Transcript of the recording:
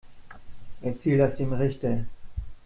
Erzähl das dem Richter.